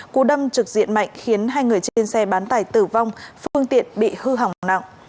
cú đâm trực diện mạnh khiến hai người trên xe bán tải tử vong phương tiện bị hư hỏng nặng